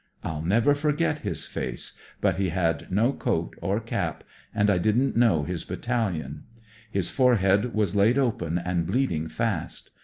1*11 never forget his face, but he had no coat or cap, and I didn't know his battalion. His forehead was laid open and bleeding fast.